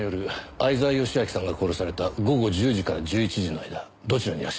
相沢良明さんが殺された午後１０時から１１時の間どちらにいらっしゃいました？